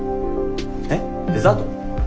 えっデザート？